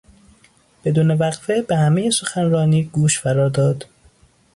بدون وقفه به همهی سخنرانی گوش فرا داد.